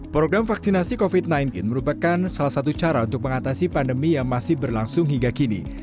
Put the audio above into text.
program vaksinasi covid sembilan belas merupakan salah satu cara untuk mengatasi pandemi yang masih berlangsung hingga kini